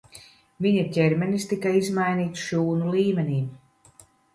Viņa ķermenis tika izmainīts šūnu līmenī.